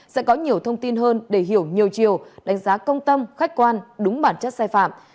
sẽ có nhiều thông tin hơn để hiểu nhiều chiều đánh giá công tâm khách quan đúng bản chất sai phạm